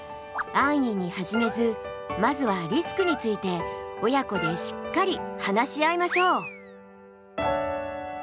安易に始めずまずはリスクについて親子でしっかり話し合いましょう。